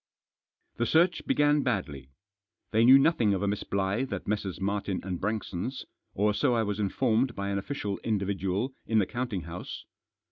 The search began badly. They knew nothing of a Miss Blyth at Messrs. Martin and Braiixon's, or so I was informed by an official individual in the counting house.